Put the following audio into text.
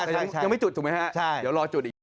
แต่ยังไม่จุดถูกไหมฮะเดี๋ยวรอจุดอีก